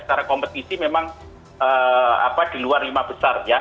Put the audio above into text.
secara kompetisi memang di luar lima besar ya